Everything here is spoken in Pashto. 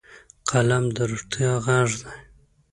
قلم د رښتیا غږ دی